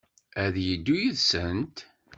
Ad yeddu yid-sent?